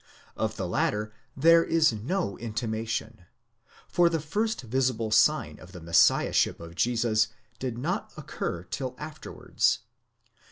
Of the latter there is no intimation ; for the first visible sign of the Messiahship of Jesus did not occur till afterwards.